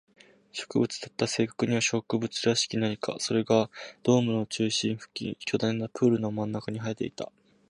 植物だった。正確には植物らしき何か。それがドームの中心付近、巨大なプールの真ん中に生えていた。